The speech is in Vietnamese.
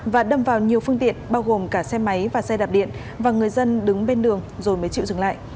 và đâm vào nhiều phương tiện bao gồm cả xe máy và xe đạp điện và người dân đứng bên đường rồi mới chịu dừng lại